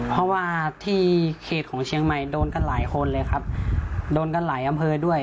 เพราะว่าที่เขตของเชียงใหม่โดนกันหลายคนเลยครับโดนกันหลายอำเภอด้วย